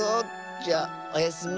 じゃおやすみ。